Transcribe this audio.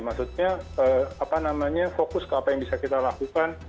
maksudnya fokus ke apa yang bisa kita lakukan